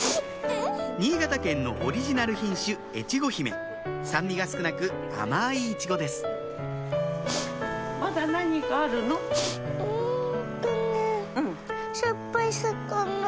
新潟県のオリジナル品種越後姫酸味が少なく甘いイチゴですうんとね。